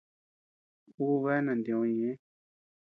Ú bea nantiö ñeʼë.